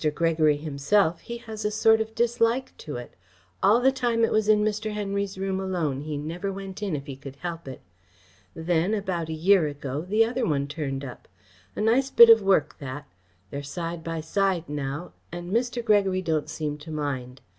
Gregory himself, he has a sort of dislike to it. All the time it was in Mr. Henry's room alone, he never went in if he could help it. Then, about a year ago, the other one turned up. A nice bit of work, that. They're side by side now, and Mr. Gregory don't seem to mind.